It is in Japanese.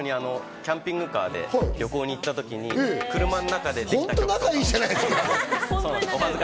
キャンピングカーで一緒に旅行に行った時に車の中でできたりとか。